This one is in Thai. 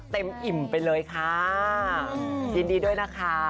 อิ่มไปเลยค่ะยินดีด้วยนะคะ